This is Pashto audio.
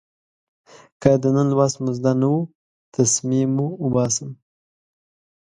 که د نن لوست مو زده نه و، تسمې مو اوباسم.